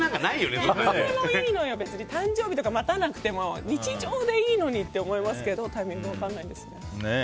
別に誕生日とか待たなくていいのに日常でいいのに！って思いますけどタイミング分からないんですね。